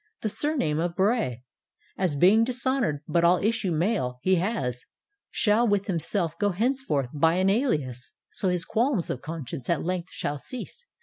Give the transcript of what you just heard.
The surname of Bray, As being dishonour'd, but all issue male he has Shall, with himself, go henceforth by an alias/ So his qualms of conscience at length shall cease.